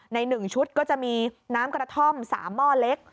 ใน๑ชุดก็จะมีน้ำกระท่อม๓หม้อเล็ก